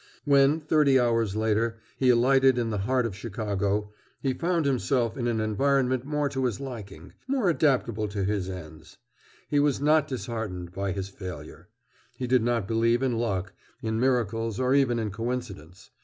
When, thirty hours later, he alighted in the heart of Chicago, he found himself in an environment more to his liking, more adaptable to his ends. He was not disheartened by his failure. He did not believe in luck, in miracles, or even in coincidence.